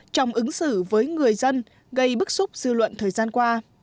trong ứng xử với người dân gây bức xúc dư luận thời gian qua